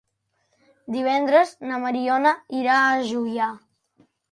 Divendres na Mariona irà a Juià.